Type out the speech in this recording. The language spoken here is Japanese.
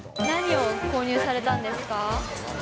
何を購入されたんですか？